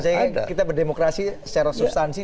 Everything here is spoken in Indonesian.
jadi kita berdemokrasi secara substansi